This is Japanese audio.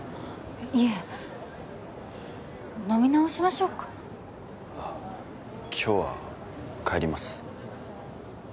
いえ飲み直しましょうかああ今日は帰ります